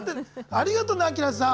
ありがとねアキラさん。